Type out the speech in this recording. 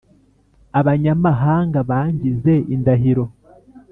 abanyamahanga bangize indahiro.